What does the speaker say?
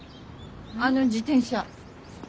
あの自転車。